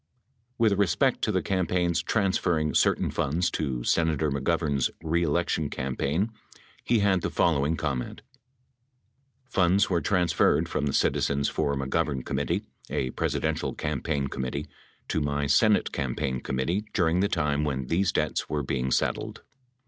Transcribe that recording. With respect to the campaign's transferring certain funds to Sena tor McGovern's reelection campaign, he had the following comment Funds were transferred from the Citizens for McGovern Committee, a Presidential campaign committee, to my Senate campaign committee during the time when these debts were being settled.